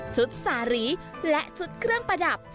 สารีและชุดเครื่องประดับ